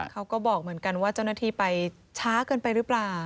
เขาก็บอกเหมือนกันว่าเจ้าหน้าที่ไปช้าเกินไปหรือเปล่า